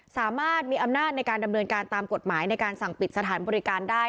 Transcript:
สามารถมีอำนาจในการดำเนินการตามกฎหมายในการสั่งปิดสถานบริการได้